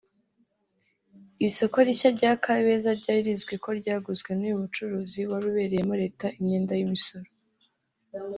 Isoko rishya rya Kabeza ryari rizwi ko ryaguzwe n’uyu mucuruzi wari ubereyemo leta imyenda y’imisoro